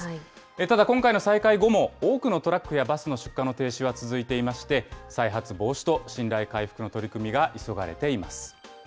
ただ、今回の再開後も、多くのトラックやバスの出荷の停止は続いていまして、再発防止と信頼回復の取り組みが急がれています。